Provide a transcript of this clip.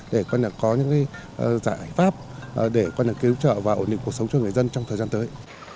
để có những giải pháp để cứu trợ và ổn định cuộc sống cho người dân trong thời gian tới